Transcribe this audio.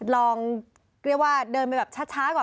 ลองเรียกว่าเดินไปแบบช้าก่อน